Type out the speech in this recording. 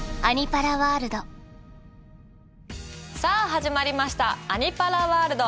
さあ始まりました「アニ×パラワールド」。